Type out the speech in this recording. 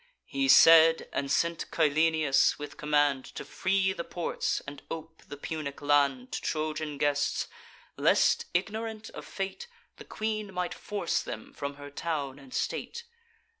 He said, and sent Cyllenius with command To free the ports, and ope the Punic land To Trojan guests; lest, ignorant of fate, The queen might force them from her town and state.